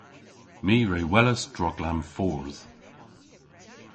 My re welas droglam fordh.